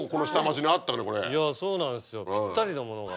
そうなんですよぴったりのものが。